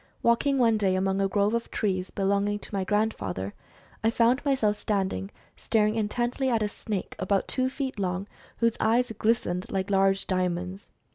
Walking one day among a grove of trees belonging to my grand father, I found myself standing staring intently at a snake about two feet long whose eyes glistened like large diamonds.